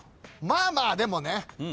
まあまあでもね。